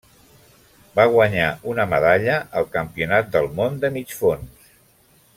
Va guanyar una medalla al Campionat del món de mig fons.